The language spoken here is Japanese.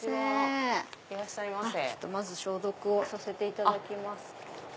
まず消毒をさせていただきます。